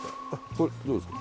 これどうですか？